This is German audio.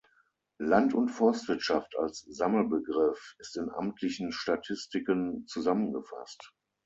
Land- und Forstwirtschaft als Sammelbegriff ist in amtlichen Statistiken zusammengefasst.